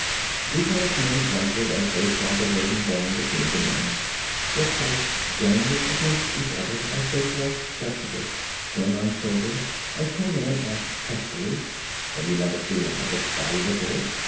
The guardsmen grunted as they saw the burden borne between the men. Their pikes jangled against each other as they thrust shut the gate, chin on shoulder, and Conan asked testily: 'Have you never seen a headless body before?'